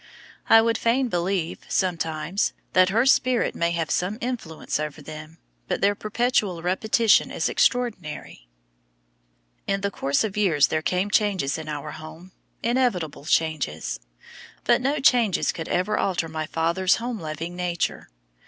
I would fain believe, sometimes, that her spirit may have some influence over them, but their perpetual repetition is extraordinary." In the course of years there came changes in our home, inevitable changes. But no changes could ever alter my father's home loving nature.